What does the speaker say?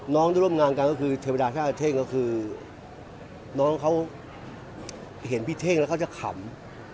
ที่ร่วมงานกันก็คือเทวดาแค่อาเท่งก็คือน้องเขาเห็นพี่เท่งแล้วเขาจะขำ